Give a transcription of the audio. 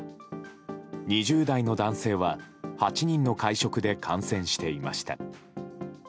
２０代の男性は８人の会食で感染していました。